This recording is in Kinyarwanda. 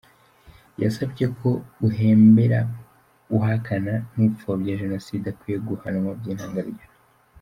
Yasabye ko uhembera, uhakana n’upfobya Jenoside akwiye guhanwa by’intangarugero.